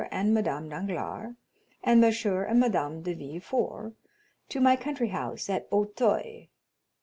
and Madame Danglars, and M. and Madame de Villefort, to my country house at Auteuil.